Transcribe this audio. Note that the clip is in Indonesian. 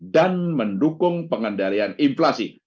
mendukung pengendalian inflasi